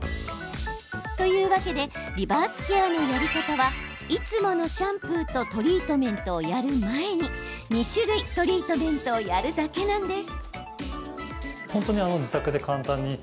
というわけでリバースケアのやり方はいつものシャンプーとトリートメントをやる前に２種類トリートメントをやるだけなんです。